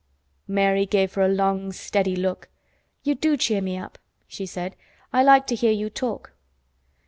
Mary gave her a long, steady look. "You do cheer me up," she said. "I like to hear you talk."